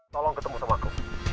tolong ketemu temaku